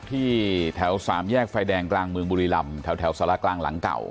ที่แถวสามแยกไฟแดงกลางเมืองบุรีรำแถวสารกลางหลังเก่า